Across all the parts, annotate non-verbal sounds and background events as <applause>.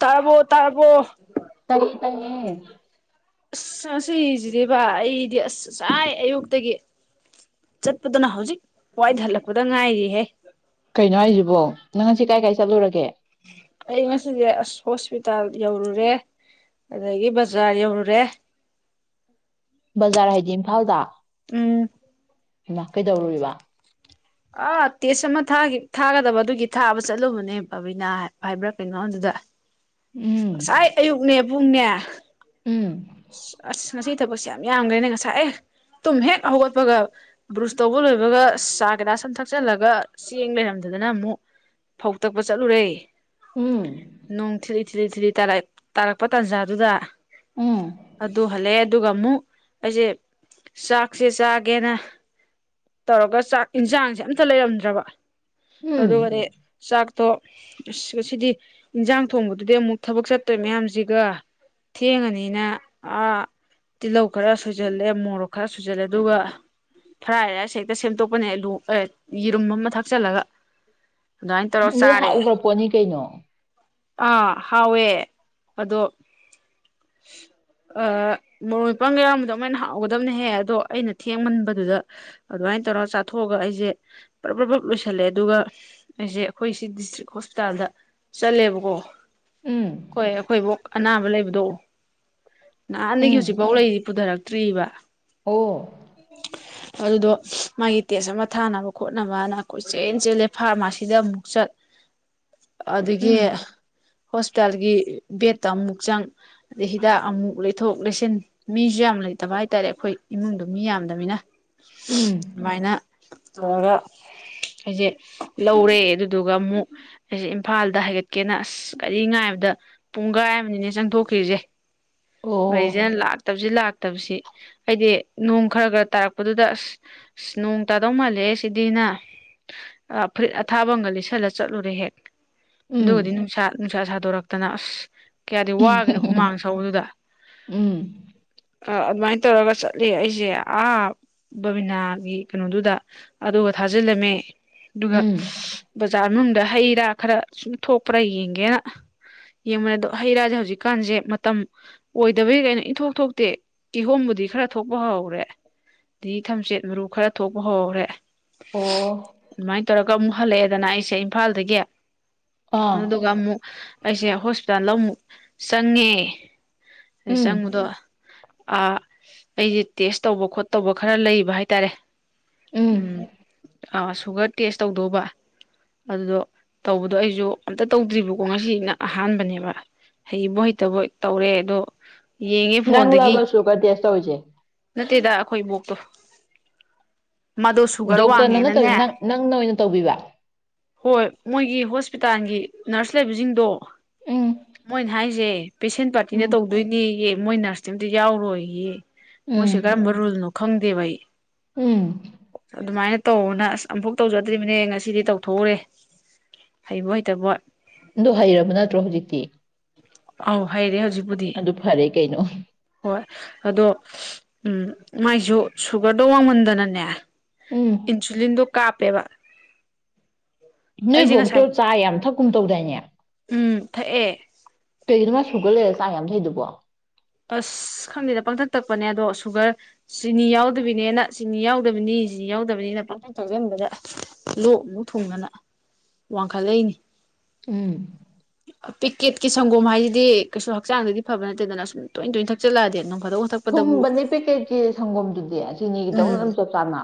ꯇꯔꯕꯣ ꯇꯔꯕꯣ ꯇꯩꯌꯦ ꯇꯩꯌꯦ <inaudible> ꯑꯁ ꯉꯁꯤꯁꯤꯖꯤꯗꯤꯕꯥ ꯑꯩꯗꯤ ꯑꯁ ꯉꯁꯥꯏ ꯑꯌꯨꯛꯇꯒꯤ ꯆꯠꯄꯗꯨꯅ ꯍꯧꯖꯤꯛ ꯋꯥꯏ ꯍꯜꯂꯛꯄꯗ ꯉꯥꯏꯔꯤꯍꯦ ꯀꯩꯅꯣ ꯍꯥꯏꯁꯤꯕꯣ ꯅꯪ ꯉꯁꯤ ꯀꯥꯏ ꯀꯥꯏ ꯆꯠꯂꯨꯔꯒꯦ ꯑꯩ ꯉꯁꯤꯁꯦ ꯑꯁ ꯍꯣꯁꯄꯤꯇꯥꯜ ꯌꯧꯔꯨꯔꯦ ꯑꯗꯒꯤ ꯕꯖꯥꯔ ꯌꯧꯔꯨꯔꯦ ꯕꯖꯥꯔ ꯍꯥꯏꯗꯤ ꯏꯝꯐꯥꯜꯗꯣ ꯎꯝ ꯍꯩꯃꯥ ꯀꯩꯗꯧꯔꯨꯔꯤꯕꯥ ꯑ ꯇꯦꯁ ꯑꯃ ꯊꯥꯒꯤ ꯊꯥꯒꯗꯕ ꯑꯗꯨꯒꯤ ꯊꯥꯕ ꯆꯠꯂꯨꯕꯅꯦ ꯕꯥꯕꯤꯅꯥ ꯍꯥꯏꯕ꯭ꯔꯥ ꯀꯩꯅꯣ ꯑꯗꯨꯗ ꯎꯝ ꯑꯁꯥꯏ ꯑꯌꯨꯛꯅꯦ ꯄꯨꯡꯅꯦ ꯎꯝ ꯑꯁ ꯉꯁꯤ ꯊꯕꯛꯁꯦ ꯌꯥꯝ ꯌꯥꯝꯈ꯭ꯔꯦꯅꯦ ꯉꯁꯥꯏ ꯑꯦ ꯇꯨꯝ ꯍꯦꯛ ꯍꯧꯒꯠꯄꯒ ꯕ꯭ꯔꯨꯁ ꯇꯧꯕ ꯂꯣꯏꯕꯒ ꯆꯥ ꯒꯤꯂꯥꯁ ꯑꯃꯥ ꯊꯛꯆꯜꯂꯒ ꯆꯦꯡ ꯂꯩꯔꯝꯗꯗꯅ ꯑꯃꯨꯛ ꯐꯧ ꯇꯛꯄ ꯆꯠꯂꯨꯔꯦ ꯎꯝ ꯅꯣꯡꯊꯤꯠꯂꯤ ꯊꯤꯠꯂꯤ ꯊꯤꯠꯂꯤ ꯇꯥꯔꯛꯄ ꯇꯥꯟꯖꯥꯗꯨꯗ ꯎꯝ ꯑꯗꯨ ꯍꯜꯂꯛꯑꯦ ꯑꯗꯨꯒ ꯑꯃꯨꯛ ꯑꯩꯁꯦ ꯆꯥꯛꯁꯦ ꯆꯥꯒꯦꯅ ꯇꯧꯔꯒ ꯆꯥꯛ ꯏꯟꯖꯥꯡꯁꯦ ꯑꯝꯇ ꯂꯩꯔꯝꯗ꯭ꯔꯕ ꯎꯝ ꯑꯗꯨꯒꯥꯅꯦ ꯆꯥꯛ ꯑꯗꯣ ꯑꯁ ꯑꯁꯤꯗꯤ ꯏꯟꯖꯥꯡ ꯊꯣꯡꯕꯗꯨꯗꯤ ꯑꯃꯨꯛ ꯊꯕꯛ ꯆꯠꯇꯣꯏ ꯃꯌꯥꯝꯁꯤꯒ ꯊꯦꯡꯉꯅꯤ ꯅꯤꯅ ꯇꯤꯜꯍꯧ ꯈꯔ ꯁꯣꯏꯖꯜꯂꯦ ꯃꯣꯔꯣꯛ ꯈꯔ ꯁꯣꯏꯖꯜꯂꯦ ꯑꯗꯨꯒ ꯐ꯭ꯔꯥꯏ ꯔꯥꯏꯁ ꯍꯦꯛꯇ ꯁꯦꯝꯗꯣꯛꯄꯅꯦ ꯑꯥꯂꯨ ꯑꯦ ꯌꯦꯔꯨꯝ ꯑꯃ ꯊꯛꯆꯜꯂꯒ ꯍꯥꯎꯒꯔꯥ ꯄꯣꯠꯅꯤ ꯀꯩꯅꯣ ꯑꯥ ꯍꯎꯋꯦ ꯑꯗꯣ ꯃꯣꯔꯣꯛ ꯃꯦꯠꯄꯥꯡꯒ ꯌꯥꯎꯔꯝꯕꯗꯣ ꯑꯗꯨꯃꯥꯏꯅ ꯍꯥꯎꯒꯗꯕꯅꯦꯍꯦ ꯑꯗꯣ ꯑꯩꯅ ꯊꯦꯡꯃꯟꯕꯗꯨꯗ ꯑꯗꯨꯃꯥꯏꯅ ꯇꯧꯔꯒ ꯆꯥꯊꯣꯛꯑꯒ ꯑꯩꯁꯦ ꯄ꯭ꯔꯞ ꯄ꯭ꯔꯞ ꯂꯣꯏꯁꯜꯂꯦ ꯑꯗꯨꯒ ꯑꯩꯁꯦ ꯑꯈꯣꯏ ꯁꯤꯒꯤ ꯗꯤꯁꯇ꯭ꯔꯤꯛ ꯍꯣꯁꯄꯤꯇꯥꯜꯗ ꯆꯠꯂꯦꯕꯀꯣ ꯎꯝ ꯀꯣꯏ ꯑꯈꯣꯏꯕꯣꯛ ꯑꯅꯥꯕ ꯂꯩꯕꯗꯣ ꯅꯍꯥꯟꯗꯒꯤ ꯎꯝ ꯍꯧꯖꯤꯛꯐꯥꯎ ꯂꯩꯔꯤ ꯄꯨꯗꯔꯛ ꯇ꯭ꯔꯤꯕ ꯑꯣ ꯑꯗꯨꯗꯣ ꯃꯥꯒꯤ ꯇꯦꯁ ꯑꯃ ꯊꯥꯅꯕ ꯈꯣꯠꯅꯕꯅ ꯀꯣꯏꯆꯦꯟ ꯆꯦꯜꯂꯦ ꯐꯥꯔꯃꯥꯁꯤꯗ ꯑꯃꯨꯛ ꯆꯠ ꯑꯗꯒꯤ ꯎꯝ ꯍꯣꯁꯄꯤꯇꯥꯜꯒꯤ ꯕꯦꯠꯇ ꯑꯃꯨꯛ ꯆꯪ ꯑꯗꯩ ꯍꯤꯗꯥꯛ ꯑꯃꯨꯛ ꯂꯩꯊꯣꯛ ꯂꯩꯁꯤꯟ ꯃꯤꯖꯨ ꯌꯥꯝ ꯂꯩꯇꯕ ꯍꯥꯏꯇꯥꯔꯦ ꯑꯩꯈꯣꯏ ꯏꯃꯨꯡꯗꯣ ꯃꯤ ꯌꯥꯝꯗꯅꯤꯅ ꯎꯝ ꯑꯗꯨꯃꯥꯏꯅ ꯇꯧꯔꯒ ꯑꯩꯁꯦ ꯂꯧꯔꯦ ꯑꯗꯨꯗꯨꯒ ꯑꯃꯨꯛ ꯑꯩꯁꯦ ꯏꯝꯐꯥꯜꯗ ꯍꯥꯏꯒꯠꯀꯦꯅ ꯑꯁ ꯀꯒꯥꯔꯤ ꯉꯥꯏꯕꯗ ꯄꯨꯡꯒꯥꯏ ꯑꯃꯅꯤꯅꯦ ꯆꯪꯊꯣꯛꯈꯤ꯭ꯔꯤꯁꯦ ꯑꯣ ꯒꯥꯔꯤꯖꯤꯅ ꯂꯥꯛꯇꯕꯖꯤ ꯂꯥꯛ ꯐꯠꯇꯕꯁꯤ ꯑꯩꯗꯤ ꯅꯣꯡ ꯈꯔ ꯈꯔ ꯇꯥꯔꯛꯄꯗꯨꯗ ꯑꯁ ꯑꯁ ꯅꯣꯡ ꯇꯥꯗꯧ ꯃꯥꯜꯂꯦ ꯁꯤꯗꯤꯅ ꯐꯨꯔꯤꯠ ꯑꯊꯥꯕ ꯑꯃꯒ ꯂꯤꯠꯁꯜꯂ ꯆꯠꯂꯨꯔꯦ ꯍꯦꯛ ꯎꯝ ꯑꯗꯨꯒꯗꯤ ꯅꯨꯡꯁꯥ ꯅꯨꯡꯁꯥ ꯁꯥꯗꯣꯔꯛꯇꯅ ꯑꯁ ꯀꯌꯥꯗꯤ ꯋꯥꯈꯔꯦ ꯍꯨꯃꯥꯡ ꯁꯧꯗꯨꯗ ꯎꯝ ꯑꯗꯨꯃꯥꯏꯅ ꯇꯧꯔꯒ ꯆꯠꯂꯦ ꯑꯩꯁꯦ ꯑꯥ ꯕꯕꯤꯅꯥꯒꯤ ꯀꯩꯅꯣꯗꯨꯗ ꯑꯗꯨꯒ ꯊꯥꯖꯤꯜꯂꯝꯃꯦ ꯑꯗꯨꯒ ꯎꯝ ꯖꯥꯔ ꯃꯅꯨꯡꯗ ꯍꯩ ꯔꯥ ꯈꯔ ꯁꯨꯝ ꯊꯣꯛꯄ꯭ꯔꯥ ꯌꯦꯡꯒꯦꯅ ꯌꯦꯡꯕꯅꯦ ꯑꯗꯣ ꯍꯩꯔꯥꯁꯦ ꯍꯧꯖꯤꯛꯀꯥꯟꯁꯦ ꯃꯇꯝ ꯑꯣꯏꯗꯕꯩ ꯑꯩꯅ ꯏꯟꯊꯣꯛ ꯊꯣꯛꯇꯦ ꯀꯤꯍꯣꯝꯕꯨꯗꯤ ꯈꯔ ꯊꯣꯛꯄ ꯍꯍꯧꯔꯦ ꯊꯝꯆꯦꯠ ꯃꯔꯨ ꯈꯔ ꯊꯣꯛꯄ ꯍꯍꯧꯔꯦ ꯑꯣ ꯃꯥꯥꯏ ꯇꯧꯔꯒ ꯑꯃꯨꯛ ꯍꯜꯂꯛꯑꯦꯗꯅ ꯑꯩꯁꯦ ꯏꯝꯐꯥꯜꯗꯒꯤ ꯑꯥ ꯑꯗꯨꯗꯨꯒ ꯑꯃꯨꯛ ꯑꯩꯁꯦ ꯍꯣꯁꯄꯤꯇꯥꯜꯗ ꯑꯃꯨꯛ ꯆꯪꯉꯦ ꯎꯝ ꯆꯪꯕꯗꯣ ꯑ ꯑꯩꯁꯦ ꯇꯦꯁ ꯇꯧꯕ ꯈꯣꯠꯇꯧꯕ ꯈꯔ ꯂꯩꯕ ꯍꯥꯏꯇꯥꯔꯦ ꯎꯝ ꯑꯥ ꯁꯨꯒꯔ ꯇꯦꯁ ꯇꯧꯗꯧꯕ ꯑꯗꯨꯗꯣ ꯇꯧꯕꯗꯣ ꯑꯩꯁꯨ ꯑꯝꯇ ꯇꯧꯗ꯭ꯔꯤꯕꯀꯣ ꯉꯁꯤꯁꯤꯅ ꯑꯍꯥꯟꯕꯅꯦꯕ ꯍꯩꯕꯣꯏ ꯍꯩꯇꯕꯣꯏ ꯇꯧꯔꯦ ꯗꯣ ꯅꯪꯂꯕ ꯁꯨꯒꯔ ꯇꯦꯁ ꯇꯧꯔꯤꯁꯦ ꯅꯠꯇꯦꯗ ꯑꯈꯣꯏ ꯏꯕꯣꯛꯇꯣ ꯃꯥꯗꯣ ꯁꯨꯒꯔ ꯗꯣꯛꯇꯔꯅ ꯋꯥꯡꯉꯦꯅꯅꯦ ꯅꯠꯇꯕꯤꯗ ꯅꯪ ꯅꯪꯅ ꯑꯣꯏꯅ ꯇꯧꯕꯤꯕ ꯍꯣꯏ ꯃꯣꯏꯒꯤ ꯍꯣꯁꯄꯤꯇꯥꯜꯒꯤ ꯅꯔꯁ ꯂꯩꯕꯖꯤꯡꯗꯣ ꯎꯝ ꯃꯣꯏꯅꯥꯍꯥꯏꯁꯦ ꯄꯦꯁꯦꯟ ꯄ꯭ꯔ ꯁꯤꯅ ꯎꯝ ꯇꯧꯗꯣꯏꯅꯦꯌꯦ ꯃꯣꯏꯅ ꯀꯩꯁꯨꯝꯇ ꯌꯥꯎꯔꯣꯏꯌꯦ ꯃꯣꯏ ꯎꯝ ꯁꯨꯒꯔ ꯃꯔꯣꯜꯅꯣ ꯈꯪ ꯕꯦꯝꯃ ꯑꯩ ꯎꯝ ꯑꯗꯨꯃꯥꯏꯅ ꯇꯧꯑꯅ ꯑꯁ ꯑꯃꯨꯛꯐꯥꯎ ꯇꯧꯖꯗ꯭ꯔꯤꯕꯅꯦ ꯉꯁꯤꯗꯤ ꯇꯧꯊꯣꯛꯎꯔꯦ ꯍꯩꯕꯣꯏ ꯍꯩꯇꯕꯣꯏ ꯗꯣ ꯍꯩꯔꯕ ꯅꯠꯇ꯭ꯔꯣ ꯍꯧꯖꯤꯛꯇꯤ ꯑꯥꯎ ꯍꯥꯏꯔꯦ ꯍꯧꯖꯤꯛ ꯑꯗꯨ ꯐꯔꯦ ꯀꯩꯅꯣ ꯑꯗꯣ ꯎꯝ ꯃꯥꯏꯁꯨ ꯁꯨꯒꯔꯗꯣ ꯋꯥꯡꯃꯟꯗꯅꯅꯦ ꯎꯝ ꯏꯟꯁꯨꯂꯤꯟꯗꯣ ꯀꯥꯞꯄꯦꯕ ꯅꯣꯏ ꯑꯩꯁꯦ ꯑꯕꯣꯛꯇꯣ ꯉꯁꯥꯏ ꯆꯥ ꯌꯥꯝ ꯊꯛꯀꯨꯝ ꯇꯧꯗꯥꯏꯅꯦ ꯎꯝ ꯊꯛꯑꯦ ꯀꯩꯅꯣ ꯃꯥ ꯁꯨꯒꯔ ꯂꯩꯔꯒ ꯆꯥ ꯌꯥꯝ ꯊꯛꯏꯗꯨꯕꯣ ꯑꯁ ꯈꯪꯗꯦꯗ ꯄꯥꯡꯊꯛ ꯊꯛꯄꯅꯦ ꯑꯗꯣ ꯁꯨꯒꯔ ꯆꯤꯅꯤ ꯌꯥꯎꯗꯕꯤꯅꯦꯅ ꯆꯤꯅꯤ ꯌꯥꯎꯗꯕꯅꯤ ꯆꯤꯅꯤ ꯌꯥꯎꯗꯕꯅꯤꯅ ꯄꯪꯊꯛ ꯊꯛꯁꯤꯟꯕꯗ ꯂꯣꯛ ꯑꯃꯨꯛ ꯊꯨꯡꯗꯅ ꯋꯥꯡꯈꯠꯂꯛꯏꯅꯤ ꯎꯝ ꯄꯤꯀꯦꯠꯀꯤ ꯁꯪꯒꯣꯝ ꯍꯥꯏꯁꯤꯗꯤ ꯀꯩꯁꯨ ꯍꯛꯆꯥꯡꯗꯗꯤ ꯐꯕ ꯅꯠꯇꯦꯗꯅ ꯁꯨꯝ ꯇꯣꯏ ꯇꯣꯏꯅ ꯊꯛꯆꯜꯂꯛꯑꯗꯤ ꯅꯣ ꯊꯨꯝꯕꯅꯦ ꯄꯦꯀꯦꯠꯀꯤ ꯁꯪꯒꯣꯝꯗꯨꯗꯤ ꯆꯤꯅꯤꯒꯤꯗꯧꯅ ꯎꯝ ꯑꯗꯨꯝ ꯆꯞ ꯆꯥꯅ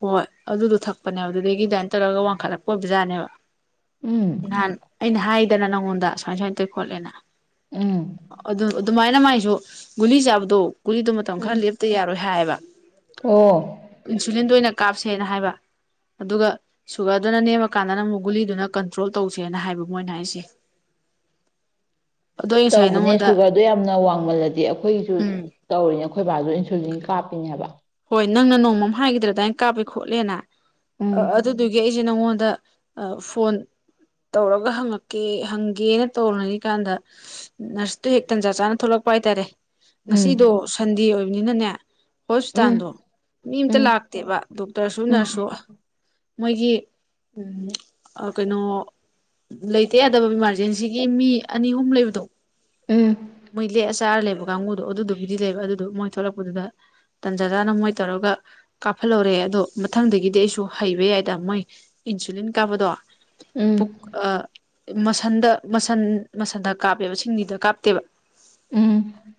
ꯍꯣꯏ ꯑꯗꯨꯗꯣ ꯊꯛꯄꯅꯦ ꯑꯗꯨꯗꯒꯤ ꯑꯗꯨꯃꯥꯏꯅ ꯇꯧꯔꯒ ꯋꯥꯡꯈꯠꯂꯛꯄ ꯑꯣꯏꯕꯖꯥꯠꯅꯦꯕ ꯎꯝ ꯅꯍꯥꯟ ꯑꯩꯅ ꯍꯥꯏ ꯗꯅ ꯅꯪꯉꯣꯟꯗ ꯁꯣꯃꯥꯏ ꯁꯣꯃꯥꯏꯋꯤ ꯈꯠꯂꯦꯅ ꯎꯝ ꯑꯗꯨ ꯑꯥ ꯗꯨꯃꯥꯏꯅ ꯃꯥꯥꯏ ꯗꯣ ꯒꯨꯂꯤ ꯆꯥꯕꯗꯣ ꯀꯨꯂꯤꯗꯣ ꯃꯇꯝ ꯎꯝ ꯈꯔ ꯂꯦꯞꯇ ꯌꯥꯔꯣꯏ ꯍꯥꯏꯕ ꯑꯣ ꯏꯟꯁꯨꯂꯤꯟꯗꯨ ꯑꯣꯏꯅ ꯀꯥꯞꯁꯦꯅ ꯍꯥꯏꯕ ꯑꯗꯨꯒ ꯁꯨꯒꯔꯗꯨꯅ ꯅꯦꯝꯃꯀꯥꯟꯗꯅ ꯑꯃꯨꯛ ꯒꯨꯂꯤꯗꯨꯅ ꯀꯟꯇ꯭ꯔꯣꯜ ꯇꯧꯁꯦꯅ ꯍꯥꯏꯕ ꯃꯣꯏꯅ ꯍꯥꯏꯁꯦ ꯑꯗꯣ ꯑꯩ ꯉꯁꯥꯏ ꯇꯧꯕꯅꯦ ꯅꯪꯉꯣꯟꯗ ꯁꯨꯒꯔꯗꯣ ꯌꯥꯝꯅ ꯋꯥꯡꯃꯜ ꯑꯗꯗꯤ ꯑꯩꯈꯣꯏꯁꯨ ꯎꯝ ꯇꯧꯔꯤꯅꯦ ꯑꯩꯈꯣꯏ ꯕꯥꯗꯨ ꯏꯟꯁꯨꯂꯤꯟ ꯀꯥꯞꯄꯤꯅꯦ ꯍꯥꯏꯕ ꯍꯣꯏ ꯅꯪꯅ ꯅꯣꯡꯃꯥ ꯑꯃ ꯍꯥꯏꯈꯤꯗꯔꯗꯥꯏ ꯀꯥꯞꯄꯦ ꯈꯣꯠꯂꯦꯅ ꯑꯥ ꯎꯝ ꯑꯗꯨꯗꯨꯒꯤ ꯑꯩꯁꯦ ꯅꯪꯉꯣꯟ ꯗ ꯐꯣꯟ ꯇꯧꯔꯒ ꯍꯪꯉꯛꯀꯦ ꯍꯪꯒꯦꯅ ꯇꯧꯅꯔꯤꯀꯥꯟꯗ ꯅꯔꯁꯇꯣ ꯍꯦꯛ ꯇꯟꯖꯥ ꯆꯥꯅ ꯊꯣꯛꯂꯛꯄ ꯍꯥꯏꯇꯥꯔꯦ ꯉꯁꯤꯗꯣ ꯎꯝ ꯁꯟꯗꯦ ꯑꯣꯏ ꯅꯤꯅꯅꯦ ꯍꯣꯁ ꯎꯝ ꯄꯤꯇꯥꯟꯗꯣ ꯃꯤ ꯑꯝꯇ ꯎꯝ ꯂꯥꯛꯇꯦꯕ ꯗꯣꯛꯇꯔꯁꯨ ꯎꯝ ꯅꯔꯁꯁꯨ ꯃꯣꯏꯒꯤ ꯎꯝ ꯀꯩꯅꯣ ꯂꯩꯇ ꯌꯥꯗꯕ ꯏꯃꯥꯔꯖꯦꯟꯁꯤꯒꯤ ꯃꯤ ꯑꯅꯤ ꯑꯍꯨꯝ ꯂꯩꯕꯗꯣ ꯎꯝ ꯃꯣꯏ ꯂꯦꯛꯑ ꯆꯥꯔ ꯂꯩꯕ ꯀꯥꯡꯕꯨꯨꯗꯣ ꯑꯗꯨꯗꯨꯕꯨꯗꯤ ꯂꯩꯕ ꯑꯗꯨꯗꯣ ꯃꯣꯏ ꯊꯣꯛꯂꯛꯄꯗꯨꯗ ꯇꯟꯖꯥ ꯆꯥꯟ ꯃꯣꯏ ꯇꯧꯔꯒ ꯀꯥꯞꯍꯜꯍꯧꯔꯦ ꯑꯗꯣ ꯃꯊꯪꯗꯒꯤꯗꯤ ꯑꯩꯁꯨ ꯍꯩꯕ ꯌꯥꯏꯗ ꯃꯣꯏ ꯏꯟꯁꯨꯂꯤꯟ ꯀꯥꯞꯄꯗꯣ ꯎꯝ ꯎꯝ ꯄꯨꯛ ꯑ ꯃꯁꯟꯗ ꯃꯁꯟ ꯃꯁꯟꯗ ꯀꯥꯞꯄꯦꯕ ꯁꯤꯡꯂꯤꯗ ꯀꯥꯞꯇꯦꯕ ꯎꯝ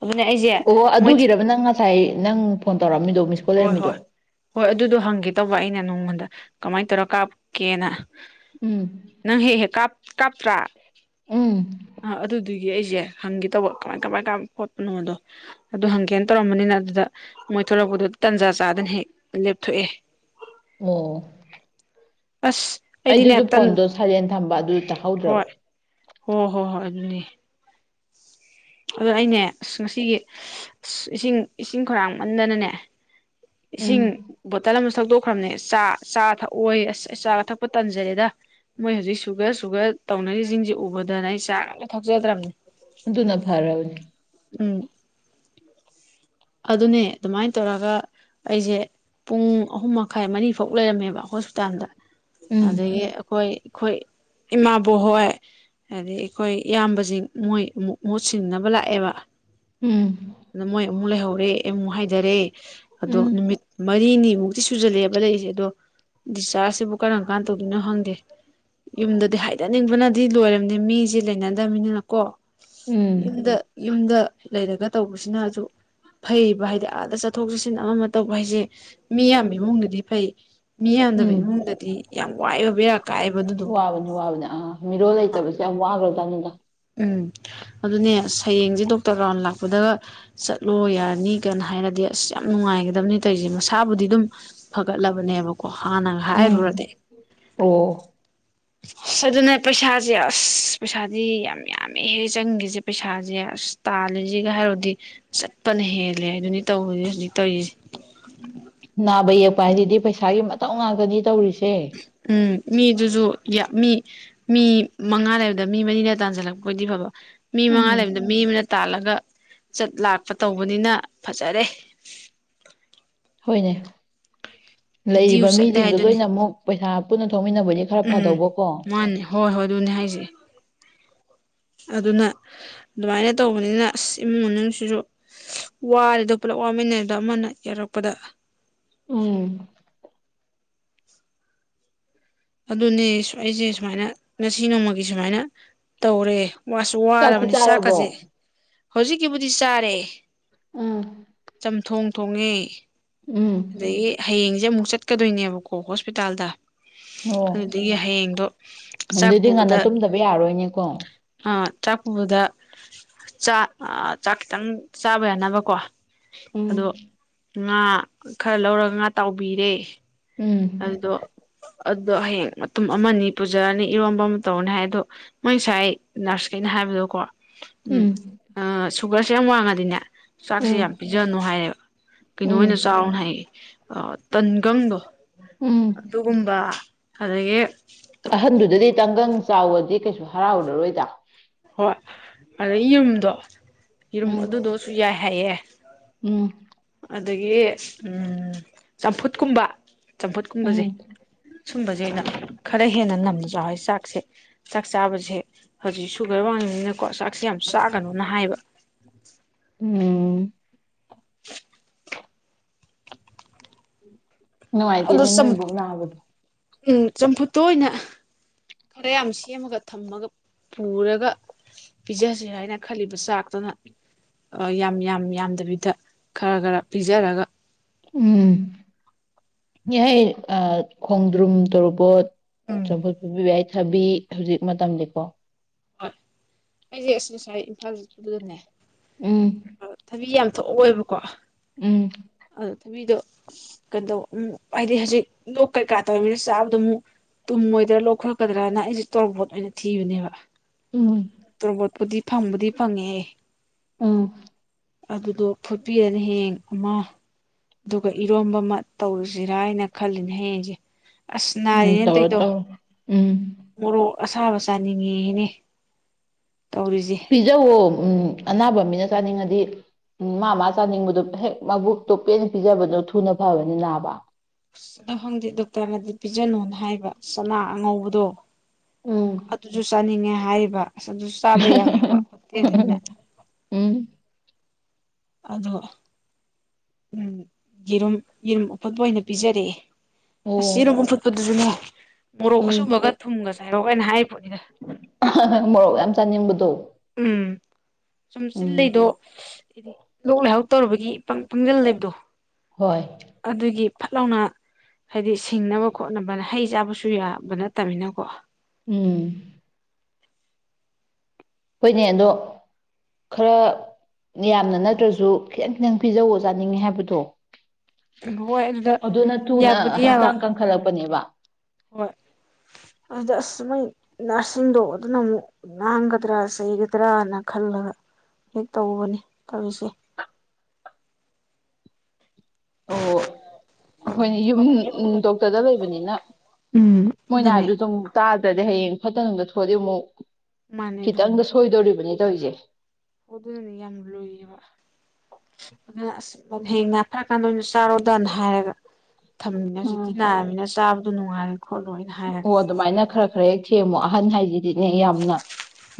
ꯑꯗꯨꯅꯦ ꯑꯩꯁꯦ ꯑꯣ ꯃꯣꯏ ꯑꯗꯨꯒꯤꯔꯕ ꯅꯪ ꯉꯁꯥꯏ ꯅꯪ ꯐꯣꯟ ꯇꯧꯔꯛꯑꯃꯃꯤꯗꯣ ꯍꯣꯏ ꯍꯣꯏ ꯍꯣꯏ ꯑꯗꯨꯗꯣ ꯍꯪꯒꯦ ꯇꯧꯕ ꯑꯩꯅ ꯅꯪꯉꯣꯟꯗ ꯀꯃꯥꯏꯅ ꯇꯧꯔ ꯀꯥꯞꯀꯦꯅ ꯎꯝ ꯅꯪ ꯍꯦ ꯍꯦꯛ ꯀꯥꯞ ꯀꯞꯇꯔꯥ ꯎꯝ ꯑ ꯑꯗꯨ ꯑꯗꯨꯒꯤ ꯑꯩꯁꯦ ꯍꯪꯒꯦ ꯇꯧꯕ ꯀꯃꯥꯏ ꯀꯃꯥꯏ ꯀꯥꯞ ꯈꯣꯠꯄꯅꯣꯗꯣ ꯑꯗꯨ ꯍꯪꯒꯦꯅ ꯇꯧꯔꯝꯕꯅꯤꯅ ꯑꯗꯨꯗ ꯃꯣꯏ ꯊꯂꯛꯄꯗꯣ ꯇꯟꯖꯥ ꯆꯥꯗꯅ ꯍꯦꯛ ꯂꯦꯞꯊꯣꯛꯑꯦ ꯑꯣ ꯑꯁ ꯑꯩꯗꯤꯅꯦ ꯑꯩꯗꯨꯁꯨ ꯇꯟ ꯐꯣꯟꯗꯣ ꯁꯥꯏꯂꯦꯟ ꯊꯝꯕ ꯑꯗꯨ ꯇꯥꯍꯧꯗ꯭ꯔꯕ ꯍꯣꯏ ꯍꯣ ꯍꯣ ꯍꯣꯏ ꯑꯗꯨꯅꯦ ꯑꯗꯣ ꯑꯩꯅꯦ ꯑꯁ ꯉꯁꯤꯒꯤ ꯑꯁ ꯏꯁꯤꯡ ꯏꯁꯤꯡ ꯈꯔꯥꯡꯃꯟꯗꯅꯅꯦ ꯏꯁꯤꯡ ꯎꯝ ꯕꯣꯇꯜ ꯑꯃꯁꯨ ꯊꯛꯇꯣꯛꯈ꯭ꯔꯕꯅꯦ ꯆꯥ ꯆꯥ ꯊꯛꯑꯣꯌꯦ ꯑꯁ ꯆꯥꯒ ꯊꯛꯄ ꯇꯟꯖꯔꯦꯗ ꯃꯣꯏ ꯍꯧꯖꯤꯛ ꯁꯨꯒꯔ ꯁꯨꯒꯔ ꯇꯧꯅꯔꯤꯁꯤꯡꯁꯦ ꯎꯕꯗꯅ ꯑꯩ ꯆꯥꯒꯥ ꯑꯀꯇ ꯊꯛꯆꯗ꯭ꯔꯕꯅꯦ ꯑꯗꯨꯅ ꯐꯥꯔꯕꯅꯤ ꯎꯝ ꯑꯗꯨꯅꯦ ꯑꯗꯨꯃꯥꯏꯅ ꯇꯧꯔꯒ ꯑꯩꯁꯦ ꯄꯨꯡ ꯑꯍꯨꯝ ꯃꯈꯥꯏ ꯃꯔꯤ ꯐꯥꯎ ꯂꯩꯔꯝꯃꯦꯕ ꯍꯣꯁꯄꯤꯇꯥꯜꯗ ꯎꯝ ꯑꯗꯒꯤ ꯑꯈꯣꯏ ꯑꯈꯣꯏ ꯏꯃꯥꯕꯣꯛ ꯍꯣꯏ ꯑꯗꯩꯩ ꯑꯈꯣꯏ ꯏꯌꯥꯝꯕꯁꯤꯡ ꯃꯣꯏ ꯑꯃꯨꯛ ꯃꯍꯨꯠ ꯁꯤꯟꯅꯕ ꯂꯥꯛꯑꯦꯕ ꯎꯝ ꯑꯗ ꯃꯣꯏ ꯑꯃꯨꯛ ꯂꯩꯍꯧꯔꯦ ꯑꯩ ꯑꯃꯨꯛ ꯍꯥꯏꯗꯔꯦ ꯑꯗꯣ ꯎꯝ ꯅꯨꯃꯤꯠ ꯃꯔꯤꯅꯤ ꯃꯨꯛꯇꯤ ꯁꯨꯖꯜꯂꯛꯑꯦꯕ ꯂꯩ ꯁꯦ ꯑꯗꯣ ꯗꯤꯆꯥꯔꯖꯁꯤꯕꯨ ꯀꯔꯝ ꯀꯥꯟ ꯇꯧꯗꯣꯏꯅꯣ ꯈꯪꯗꯦ ꯌꯨꯝꯗꯗꯤ ꯍꯥꯏꯗꯅꯤꯡꯕꯅꯗꯤ ꯂꯣꯏꯔꯝꯅꯦ ꯃꯤꯁꯦ ꯂꯩꯅꯗꯝꯅꯤꯅ ꯀꯣ ꯎꯝ ꯌꯨꯝꯗ ꯌꯨꯝꯗ ꯂꯩꯔꯒ ꯇꯧꯕꯁꯤꯅꯁꯨ ꯐꯩꯌꯕ ꯍꯥꯏꯗꯤ ꯑꯥꯗ ꯆꯠꯊꯣꯛ ꯆꯠꯁꯤꯟ ꯑꯃ ꯑꯃ ꯇꯧꯕ ꯍꯥꯏꯁꯦ ꯃꯤ ꯌꯥꯝꯕ ꯏꯃꯨꯡꯗꯗꯤ ꯐꯩ ꯃꯤ ꯌꯝꯗꯕ ꯎꯝ ꯏꯃꯨꯡꯗꯗꯤ ꯌꯥꯝ ꯋꯥꯏꯌꯦꯕꯥ ꯕꯦꯔ ꯋꯥꯕꯅꯤ ꯋꯥꯕꯅꯤ ꯑꯥ ꯃꯤꯔꯣꯜ ꯂꯩꯇꯕꯁꯦ ꯌꯥꯝ ꯋꯥꯒꯔ꯭ꯖꯠꯅꯤꯗ ꯎꯝ ꯑꯗꯨꯅꯦ ꯑꯁ ꯍꯌ ꯍꯌꯦꯡꯖꯦ ꯗꯣꯛꯇꯔ ꯔꯥꯎꯟ ꯂꯥꯛꯄꯗꯒ ꯆꯠꯂꯣ ꯌꯥꯔꯅꯤ ꯀꯅ ꯍꯥꯏꯔꯗꯤ ꯑꯁ ꯌꯥꯝ ꯅꯨꯡꯉꯥꯏꯒꯗꯕꯅꯤ ꯇꯣꯏꯖꯦ ꯃꯁꯥꯕꯨꯗꯤ ꯑꯗꯨꯝ ꯐꯒꯠꯂꯕꯅꯦꯕ ꯀꯣ ꯍꯥꯟꯅꯒ ꯎꯝ ꯍꯥꯏꯔꯨꯔꯗꯤ ꯑꯣ ꯑꯁ ꯑꯗꯨꯅꯦ ꯄꯩꯁꯥꯁꯦ ꯑꯁ ꯄꯩꯁꯥꯗꯤ ꯌꯥꯝ ꯌꯥꯝꯃꯦꯍꯦ ꯆꯪꯒ꯭ꯔꯤꯖꯦ ꯄꯩꯁꯥꯖꯦ ꯑꯁ ꯇꯥꯜꯂꯤꯁꯤꯒ ꯍꯥꯏꯔꯣꯗꯤ ꯆꯠꯄꯅ ꯍꯦꯜꯂꯦ ꯑꯗꯨꯅꯤ ꯇꯧꯔꯤꯖꯦ ꯍꯧꯖꯤꯛ ꯇꯧꯔꯤꯖꯦ ꯅꯥꯕ ꯌꯦꯛꯄ ꯍꯥꯏꯗꯨꯗꯤ ꯄꯩꯁꯥꯒꯤ ꯃꯇꯧ ꯉꯥꯛꯇꯅꯤ ꯇꯧꯔꯤꯁꯦ ꯎꯝ ꯃꯤꯗꯨꯖꯨ ꯃꯤ ꯃꯤ ꯃꯉꯥ ꯂꯩꯕꯗ ꯃꯤ ꯃꯔꯤꯅ ꯇꯥꯟꯖꯜꯂꯛꯄ ꯑꯣꯏꯗꯤ ꯐꯕ ꯃꯤ ꯃꯉꯥ ꯎꯝ ꯂꯩꯕꯗ ꯃꯤ ꯑꯃꯅ ꯇꯥꯜꯂꯒ ꯆꯠ ꯂꯥꯛꯄ ꯇꯧꯕꯅꯤꯅ ꯐꯖꯔꯦ ꯍꯣꯏꯅꯦ ꯗ꯭ꯌꯨ ꯂꯩꯔꯤꯕ ꯆꯠꯂꯦ ꯃꯤꯁꯤꯡꯗꯨ ꯍꯥꯏꯗꯨꯅꯤ ꯂꯣꯏꯅ ꯑꯃꯨꯛ ꯄꯩꯁꯥ ꯄꯨꯟꯅ ꯊꯣꯛꯃꯤꯟꯅꯕ ꯑꯣꯏꯗꯤ ꯈꯔ ꯎꯝ ꯐꯗꯧꯕꯀꯣ ꯃꯥꯅꯦ ꯍꯣꯏ ꯍꯣꯏ ꯑꯗꯨꯅꯦ ꯍꯥꯏꯁꯦ ꯑꯗꯨꯅ ꯑꯗꯨꯃꯥꯏꯅ ꯇꯧꯕꯅꯤꯅ ꯑꯁ ꯏꯃꯨꯡ ꯃꯅꯨꯡꯁꯤꯁꯨ ꯋꯥꯔꯦꯗꯣ ꯄꯨꯂꯞ ꯋꯥꯃꯤꯟꯅꯔꯦꯗꯣ ꯑꯃꯅ ꯌꯥꯔꯛꯄꯗ ꯎꯝ ꯑꯗꯨꯅꯦ ꯁꯋꯥꯏꯁꯦ ꯁꯨꯃꯥꯏꯅ ꯉꯁꯤ ꯅꯣꯡꯃꯒꯤ ꯁꯨꯃꯥꯏꯅ ꯇꯧꯔꯦ ꯋꯥꯁꯨ ꯆꯥꯛꯇꯤ ꯋꯥꯔꯕꯅꯤ ꯆꯥꯛꯀꯁꯦ ꯆꯥꯔꯕꯣ ꯍꯧꯖꯤꯛꯀꯤꯕꯨꯗꯤ ꯆꯥꯔꯦ ꯎꯝ ꯆꯝꯊꯣꯡ ꯇꯣꯡꯉꯦ ꯎꯝ ꯑꯗꯒꯤ ꯍꯌꯦꯡꯁꯦ ꯑꯃꯨꯛ ꯆꯠꯀꯗꯣꯏꯅꯦꯕꯀꯣ ꯍꯣꯁꯄꯤꯇꯥꯜꯗ ꯑꯣ ꯑꯗꯨꯗꯒꯤ ꯍꯌꯦꯡꯗꯣ ꯆꯥꯛ ꯑꯗꯨꯗꯤ ꯄꯨꯕꯗ ꯉꯟꯅ ꯇꯨꯝꯗꯕ ꯌꯥꯔꯣꯏꯅꯦꯀꯣ ꯑꯥ ꯆꯥꯛ ꯄꯨꯕꯗ ꯆꯥꯛ ꯑꯥ ꯆꯥꯛ ꯈꯤꯇꯪ ꯆꯥꯕ ꯌꯥꯅꯕꯀꯣ ꯑꯗꯣ ꯎꯝ ꯉꯥ ꯈꯔ ꯂꯧꯔꯒ ꯉꯥ ꯇꯥꯎꯕꯤꯔꯦ ꯎꯝ ꯑꯗꯨꯗꯣ ꯑꯗꯨꯗꯣ ꯍꯌꯦꯡ ꯃꯇꯨꯝ ꯑꯃꯅꯤ ꯄꯨꯖꯔꯅꯤ ꯏꯔꯣꯝꯕ ꯑꯃ ꯇꯧꯅꯤ ꯍꯥꯏ ꯑꯗꯣ ꯃꯣꯏ ꯉꯁꯥꯏ ꯅꯔꯁꯈꯩꯅ ꯍꯥꯏꯕꯗꯣꯀꯣ ꯎꯝ ꯑꯥ ꯁꯨꯒꯔꯁꯦ ꯌꯥꯝ ꯋꯥꯡꯉꯗꯤꯅꯦ ꯆꯥꯛꯁꯦ ꯎꯝ ꯌꯥꯝ ꯄꯤꯖꯅꯨ ꯍꯥꯏꯌꯦ ꯀꯩꯅꯣ ꯎꯝ ꯑꯣꯏꯅ ꯆꯥꯎꯅ ꯍꯥꯏꯌꯦ ꯑ ꯇꯟꯒꯪꯗꯣ ꯎꯝ ꯑꯗꯨꯒꯨꯝꯕ ꯑꯗꯒꯤ ꯑꯍꯟꯗꯨꯗꯗꯤ ꯇꯟꯒꯪ ꯆꯥꯎꯑꯣꯗꯤ ꯀꯩꯁꯨ ꯍꯔꯥꯎꯔꯔꯣꯏꯗ ꯍꯣꯏ ꯑꯗꯩ ꯌꯨꯝꯗꯣ ꯌꯦꯔꯨꯝ ꯎꯝ ꯑꯗꯨꯗꯣꯁꯨ ꯌꯥꯏꯦ <unintelligible> ꯎꯝ ꯑꯗꯒꯤ ꯎꯝ ꯆꯝꯐꯨꯠꯀꯨꯝꯕ ꯆꯝꯐꯨꯠꯀꯨꯝꯕꯁꯦ ꯎꯝ ꯁꯨꯝꯕꯁꯦ ꯑꯣꯏꯅ ꯈꯔ ꯍꯦꯟꯅ ꯅꯝꯅ ꯆꯥꯎ ꯍꯥꯏꯁꯦ ꯆꯥꯛꯁꯦ ꯆꯥꯛ ꯆꯥꯕꯁꯦ ꯍꯧꯖꯤꯛꯁꯨ ꯁꯨꯒꯔ ꯋꯥꯡꯉꯤꯅꯤꯅꯀꯣ ꯆꯥꯛꯁꯦ ꯌꯥꯝ ꯆꯥꯛꯒꯅꯣꯅ ꯍꯥꯏꯕ ꯎꯝ <inaudible> ꯑꯗꯣ ꯅꯨꯡꯉꯥꯏꯇꯦꯅꯦ ꯆꯝ ꯅꯣꯏ ꯕꯣꯛ ꯅꯥꯕꯗꯣ ꯎꯝ ꯆꯝꯐꯨꯠꯇꯣ ꯑꯣꯏꯅ ꯈꯔ ꯌꯥꯝ ꯁꯦꯝꯃꯒ ꯊꯝꯃꯒ ꯄꯨꯔꯒ ꯄꯤꯖꯁꯦ ꯍꯥꯏꯅ ꯈꯜꯂꯤꯕ ꯆꯥꯛꯇꯨꯅ ꯌꯥꯝ ꯌꯥꯝ ꯌꯥꯝꯗꯕꯤꯗ ꯈꯔ ꯈꯔ ꯄꯤꯖꯔꯒ ꯎꯝ ꯌꯥꯏ ꯑꯥ ꯈꯣꯡꯗ꯭ꯔꯨꯝ ꯇꯣꯔꯕꯣꯠ <unintelligible> ꯎꯝ ꯆꯝꯐꯨꯠ ꯐꯨꯠꯄꯤꯕ ꯌꯥꯏ ꯊꯕꯤ ꯍꯧꯖꯤꯛ ꯃꯇꯝꯗꯤꯀꯣ ꯍꯣꯏ ꯑꯩꯁꯦ ꯑꯁ ꯉꯁꯥꯏ ꯏꯝꯐꯥꯜꯗꯨꯗꯅꯦ ꯎꯝ ꯊꯣꯛꯍꯧꯋꯦꯕꯀꯣ ꯎꯝ ꯊꯕꯤꯗꯣ ꯀꯩꯗꯧ ꯎꯝ ꯍꯥꯏꯗꯤ ꯍꯧꯖꯤꯛ ꯂꯣꯛ ꯀꯩꯀꯥ ꯇꯧꯔꯤꯃꯤꯅ ꯆꯥꯕꯗꯣ ꯑꯃꯨꯛ ꯇꯨꯝꯃꯣꯏꯗ꯭ꯔꯥ ꯂꯣꯛ ꯈꯨꯔꯛꯀꯗ꯭ꯔꯅ ꯑꯩꯁꯦ ꯇꯣꯔꯕꯣꯠ ꯑꯣꯏꯅ ꯊꯤꯕꯅꯦꯕ ꯎꯝ ꯇꯣꯔꯕꯣꯠꯄꯨꯗꯤ ꯐꯪꯕꯨꯗꯤ ꯐꯪꯉꯦ ꯎꯝ ꯑꯗꯨꯗꯣ ꯐꯨꯠꯄꯤꯔꯅꯤ ꯍꯌꯦꯡ ꯑꯃ ꯑꯗꯨꯒ ꯏꯔꯣꯝꯕ ꯑꯃ ꯇꯧꯔꯁꯤꯔ ꯍꯥꯏꯅ ꯈꯜꯂꯤꯅꯦ ꯍꯌꯦꯡꯁꯦ ꯑꯁ ꯎꯝ ꯅꯥꯔꯤꯅꯦ ꯇꯧꯔꯣ ꯇꯩꯗꯣ ꯇꯧꯔꯣ ꯎꯝ ꯃꯣꯔꯣꯛ ꯑꯁꯥꯕ ꯆꯥꯅꯤꯡꯉꯤꯅꯦ ꯄꯤꯖꯑꯧꯋꯣ ꯎꯝ ꯑꯅꯥꯕ ꯃꯤꯅ ꯆꯥꯅꯤꯡꯉꯗꯤ ꯃꯥ ꯃꯥ ꯆꯥꯅꯤꯡꯕꯗꯣ ꯍꯦꯛ ꯃꯕꯨꯛꯇꯣ ꯄꯦꯅ ꯄꯤꯖꯕꯗꯣ ꯊꯨꯅ ꯐꯕꯅꯦ ꯅꯥꯕ ꯑꯁ ꯑꯗꯣ ꯈꯪꯗꯦ ꯗꯣꯛꯇꯔꯅꯗꯤ ꯄꯤꯖꯅꯨꯅ ꯍꯥꯏꯕ ꯆꯅꯥ ꯑꯉꯧꯕꯗꯣ ꯎꯝ ꯑꯗꯨꯁꯨ ꯆꯥꯅꯤꯡꯉꯦ ꯍꯥꯏꯔꯤꯕ ꯑꯁ ꯑꯗꯨꯁꯨ ꯆꯥꯕ ꯌꯥꯔꯣꯏ ꯍꯥꯏꯕ <unintelligible> ꯎꯝ ꯑꯗꯣ ꯎꯝ ꯌꯦꯔꯨꯝ ꯌꯦꯔꯨꯝ ꯑꯐꯨꯠꯄ ꯑꯣꯏꯅ ꯄꯤꯖꯔꯦ ꯑꯁ ꯑꯣ ꯌꯦꯔꯨꯝ ꯑꯐꯨꯠꯄꯗꯨꯁꯨꯅꯦ ꯃꯣꯔꯣꯛ ꯎꯝ ꯑꯁꯨꯕꯒ ꯊꯨꯝꯒ ꯆꯥꯏꯔꯛꯑꯣ ꯀꯥꯏꯅ ꯍꯥꯏꯔꯤ ꯄꯣꯠꯅꯤꯗ ꯃꯣꯔꯣꯛ ꯌꯥꯝ ꯆꯥꯅꯤꯡꯕꯗꯣ ꯎꯝ ꯁꯨꯝ ꯆꯤꯜ ꯎꯝ ꯂꯩꯗꯣ ꯍꯥꯏꯗꯤ ꯂꯣꯛ ꯂꯥꯏꯍꯧ ꯇꯧꯔꯨꯕꯒꯤ ꯏꯄꯪ ꯄꯪꯖꯜꯂ ꯂꯩꯕꯗꯣ ꯍꯣꯏ ꯑꯗꯨꯒꯤ ꯐꯠ ꯂꯥꯎꯅ ꯍꯥꯏꯗꯤ ꯁꯤꯡꯅꯕ ꯈꯣꯠꯅꯕ ꯍꯩ ꯆꯥꯕꯁꯨ ꯌꯥꯕ ꯅꯠꯇꯅꯤꯅꯀꯣ ꯎꯝ ꯍꯣꯏꯅꯦ ꯑꯗꯣ ꯈꯔ ꯌꯥꯝꯅ ꯅꯠꯇ꯭ꯔꯁꯨ ꯈꯤꯇꯪ ꯈꯤꯇꯪ ꯄꯤꯖꯧ ꯆꯥꯅꯤꯡꯉꯦ ꯍꯥꯏꯕꯗꯣ ꯍꯣꯏ ꯑꯗꯨꯗ ꯑꯗꯨꯅ ꯊꯨꯅ ꯌꯥꯕꯨꯗꯤ ꯌꯥꯕ ꯍꯛꯆꯥꯡ ꯀꯟꯈꯠꯂꯛꯄꯅꯦꯕ ꯍꯣꯏ ꯑꯗꯨꯗ ꯁꯨꯃꯥꯏ ꯅꯔꯁꯤꯡꯗꯣ ꯑꯗꯨꯅ ꯑꯃꯨꯛ ꯉꯥꯡꯒꯗ꯭ꯔꯥ ꯆꯩꯒꯗ꯭ꯔꯥꯅ ꯈꯜꯂꯒ ꯍꯦꯛ ꯇꯧꯕꯅꯤ ꯇꯧꯔꯤꯁꯦ ꯑꯣ ꯑꯈꯣꯏꯅ ꯌꯨꯝ ꯗꯣꯛꯇꯔꯗ ꯂꯩꯕꯅꯤꯅ ꯎꯝ ꯃꯣꯏꯅ ꯑꯗꯨꯅꯦ ꯍꯥꯏꯕꯗꯨ ꯑꯗꯨꯝ ꯇ ꯍꯌꯦꯡ ꯐꯠꯇ ꯅꯨꯡꯗ ꯊꯣꯛꯑꯗꯤ ꯑꯃꯨꯛ ꯃꯥꯅꯦ ꯈꯤꯇꯪꯗ ꯁꯣꯏꯗꯣꯔꯤꯕꯅꯤ <unintelligible> ꯑꯗꯨꯅꯅꯤ ꯌꯥꯝ ꯂꯨꯌꯦꯕ ꯑꯗꯨꯅ ꯑꯁ ꯍꯌꯦꯡ ꯅꯥ ꯐꯔꯀꯥꯟꯗ ꯑꯣꯏꯅ ꯆꯥꯔꯣꯗꯅ ꯍꯥꯏꯔꯒ <unintelligible> ꯍꯧꯖꯤꯛꯇꯤ ꯎꯝ ꯅꯥꯔꯝꯅꯤꯅꯥ ꯆꯥꯕꯗꯨ ꯅꯨ ꯋꯥꯜ ꯑꯣ ꯑꯗꯨꯃꯥꯏꯅ ꯈꯔ ꯈꯔ ꯍꯦꯛ ꯊꯦꯡꯃꯣ ꯑꯍꯟ ꯍꯥꯏꯁꯤ ꯗꯤꯅꯦ ꯌꯥꯝꯅ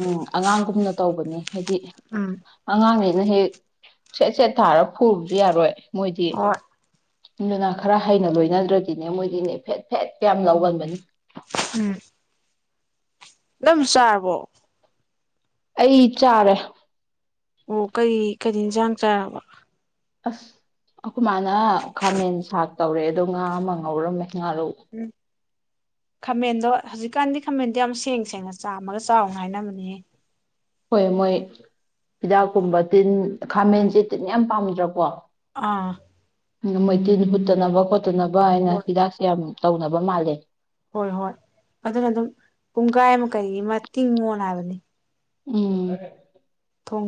ꯎꯝ ꯑꯉꯥꯡꯒꯨꯝꯅ ꯇꯧꯕꯅꯦ ꯍꯥꯏꯗꯤ ꯎꯝ ꯑꯉꯥꯡꯒꯩꯅ ꯍꯦꯛ ꯁꯦꯠ ꯁꯦꯠ ꯊꯔꯥ ꯐꯨꯔꯨꯕꯁꯨ ꯌꯥꯔꯣꯏ ꯃꯣꯏꯗꯤ ꯍꯣꯏ ꯗꯨꯅ ꯈꯔ ꯍꯩꯅ ꯂꯣꯏꯅꯗ꯭ꯔꯗꯤꯅꯦ ꯃꯣꯏꯗꯤꯅꯦ ꯐꯦꯠ ꯐꯦꯠ ꯀ ꯌꯥꯝ ꯂꯥꯎꯒꯟꯕꯅꯤ ꯎ ꯎꯝ ꯆꯥꯔꯕꯣ ꯑꯩ ꯆꯥꯔꯦ ꯑꯣ ꯀꯔꯤ ꯀꯔꯤ ꯏꯟꯖꯥꯡ ꯆꯥꯔꯕ ꯑꯁ ꯑꯈꯣꯏ ꯃꯥꯅ ꯈꯥꯃꯦꯟ ꯁꯥꯛ ꯇꯧꯔꯦ ꯑꯗ ꯉꯥ ꯑꯃ ꯉꯧꯔꯝꯃꯦ ꯉꯥꯔꯧ ꯎꯝ ꯈꯥꯃꯦꯟꯗꯣ ꯍꯧꯖꯤꯛꯀꯥꯟꯗꯤ ꯈꯥꯃꯦꯟꯗꯣ ꯌꯥꯝ ꯁꯦꯡ ꯁꯦꯡꯅ ꯆꯥꯝꯃꯒ ꯆꯥꯎꯅ ꯍꯥꯏꯅꯕꯅꯤꯍꯦ ꯍꯣꯏ ꯃꯣꯏ ꯍꯤꯗꯥꯛꯀꯨꯝꯕ ꯇꯤꯟ ꯎꯝ ꯈꯥꯃꯦꯟꯁꯦ ꯇꯤꯟ ꯌꯥꯝ ꯄꯥꯝ <unintelligible> ꯑꯥ ꯃꯣꯌ ꯇꯤꯅ ꯍꯨꯠꯇꯅꯕ ꯈꯣꯠꯇ ꯅꯕ ꯍꯥꯏꯅ ꯍꯣꯏ ꯍꯤꯗꯥꯛꯁꯤ ꯌꯥꯝ ꯇꯧꯅꯕ ꯃꯥꯜꯂꯦ ꯍꯣꯏ ꯍꯣꯏ ꯑꯗꯨꯅ ꯑꯗꯨꯝ ꯄꯨꯡꯒꯥꯏ ꯑꯃ ꯀꯔꯤ ꯑꯃ ꯇꯤꯡꯉꯣꯅ ꯍꯥꯏꯕꯅꯤ ꯎꯝ ꯊꯣꯡ